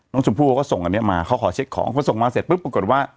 น้องชมพู่เขาก็ส่งอันนี้มาเขาขอเช็คของพอส่งมาเสร็จปุ๊บปรากฏว่า